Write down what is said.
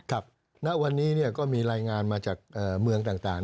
ครับณวันนี้ก็มีรายงานมาจากเมืองต่าง